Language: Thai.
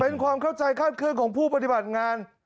เป็นความเข้าใจคาดเคลื่อนของผู้ปฏิบัติงาน